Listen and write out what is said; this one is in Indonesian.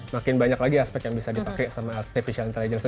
makin banyak lagi aspek yang bisa dipakai sama artificial intelligence